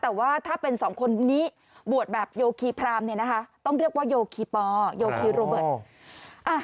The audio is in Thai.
แต่ว่าถ้าเป็นสองคนนี้บวชแบบโยคีพรามเนี่ยนะคะต้องเรียกว่าโยคีปอโยคีโรเบิร์ต